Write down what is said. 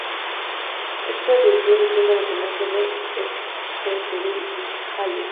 Esto desvió el flujo de comercio de Srivijaya.